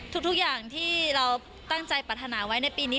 ทุกอย่างที่เราตั้งใจปรัฐนาไว้ในปีนี้